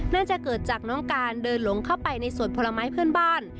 น่าจะเกิดจากน้องการเดินหลงเข้าไปในสวนผลไม้เพื่อนบ้าน